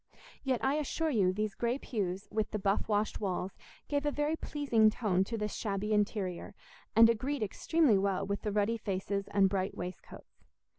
Yet I assure you these grey pews, with the buff washed walls, gave a very pleasing tone to this shabby interior, and agreed extremely well with the ruddy faces and bright waistcoats.